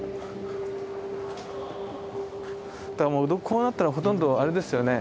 こうなったらほとんどあれですよね。